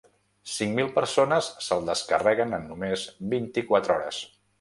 Cinc mil persones se’l descarreguen en només vint-i-quatre hores.